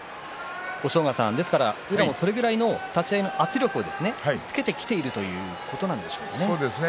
押尾川さん、宇良も立ち合いの圧力つけてきているということなんでしょうね。